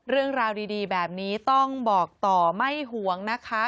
เรื่องราวดีแบบนี้ต้องบอกต่อไม่ห่วงนะคะ